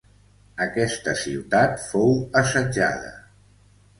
Aquesta ciutat fou assetjada.